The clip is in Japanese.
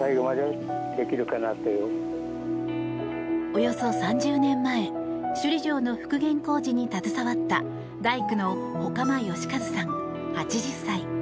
およそ３０年前首里城の復元工事に携わった大工の外間義和さん、８０歳。